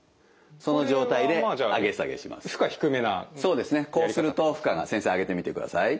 そうですねこうすると負荷が先生上げてみてください。